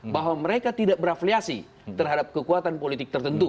bahwa mereka tidak berafliasi terhadap kekuatan politik tertentu